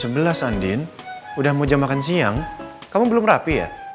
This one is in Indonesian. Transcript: sebelas andin udah mau jam makan siang kamu belum rapi ya